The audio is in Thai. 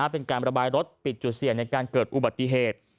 เป็นการระบายรถปิดจุดเสี่ยงในการเกิดอุบัติเหตุ